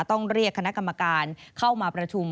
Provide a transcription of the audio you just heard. ต้องเรียกคณะกรรมการเข้ามาประชุม